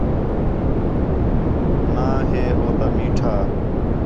ناں ہے ہو تا میٹھا